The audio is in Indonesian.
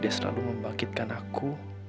dia selalu membangkitkan aku